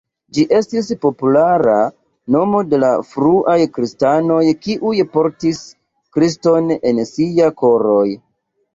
Ĝi estis populara nomo por fruaj kristanoj kiuj "portis Kriston en siaj koroj.